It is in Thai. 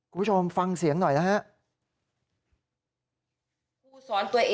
คุณผู้ชมฟังเสียงหน่อยนะครับ